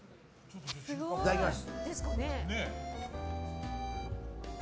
いただきます。